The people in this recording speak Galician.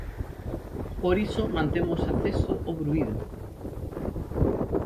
Por iso mantemos aceso o bruído.